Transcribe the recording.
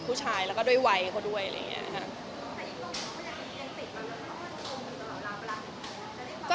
คือในขณะเดียวก็ติด